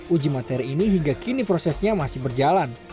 uji materi ini hingga kini prosesnya masih berjalan